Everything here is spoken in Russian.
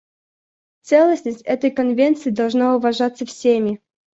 Целостность этой Конвенции должна уважаться всеми.